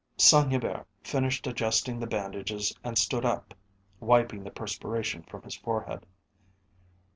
Saint Hubert finished adjusting the bandages and stood up, wiping the perspiration from his forehead.